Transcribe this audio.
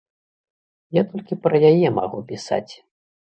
Я толькі пра яе магу пісаць.